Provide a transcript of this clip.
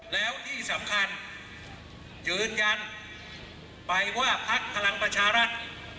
แล้วที่สำคัญยืนยันไปว่าพักพลังประชารัฐ